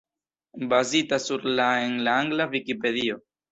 Bazita sur la en la angla Vikipedio.